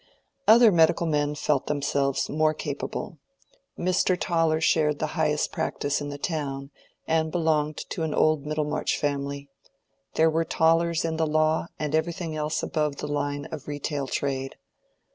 Other medical men felt themselves more capable. Mr. Toller shared the highest practice in the town and belonged to an old Middlemarch family: there were Tollers in the law and everything else above the line of retail trade.